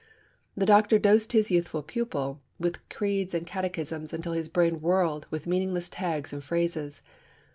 The doctor dosed his youthful pupil with creeds and catechisms until his brain whirled with meaningless tags and phrases.